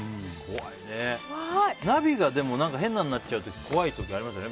ナビが変なになっちゃう時怖い時ありますよね。